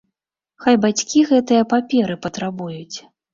Хай бацькі гэтыя паперы патрабуюць.